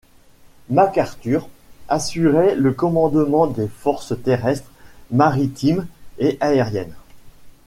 MacArthur assurait le commandement des forces terrestres, maritimes et aériennes.